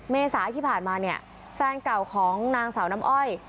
เมษาที่ผ่านมาเนี่ยแฟนเก่าของนางสาวน้ำอ้อย